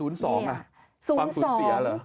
๐๒น่ะความสูญเสียเหรอ